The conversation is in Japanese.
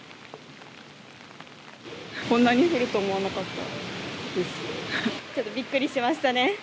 こんなに降ると思わなかったちょっとびっくりしましたね。